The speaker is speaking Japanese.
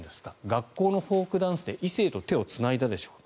学校のフォークダンスで異性と手をつないだでしょう